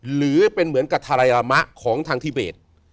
หรือเป็นเหมือนกับทารัยรามะของทางทิเบส